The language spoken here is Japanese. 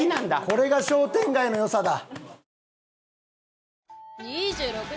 これが商店街の良さだ。